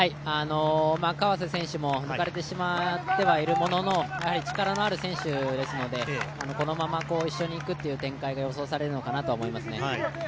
川瀬選手も抜かれてしまってはいるものの力のある選手ですので、このまま一緒に行く展開が予想されるのかなと思いますね。